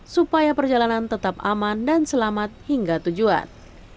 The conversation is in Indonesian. supaya perjalanan tetap aman dan selamat hingga tujuan